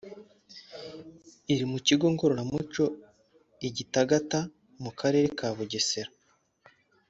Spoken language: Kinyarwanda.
iri mu kigo ngororamuco i Gitagata mu karere ka Bugesera